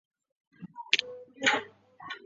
於是自己慢慢走回屋内